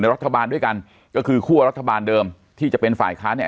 รัฐบาลด้วยกันก็คือคั่วรัฐบาลเดิมที่จะเป็นฝ่ายค้านเนี่ย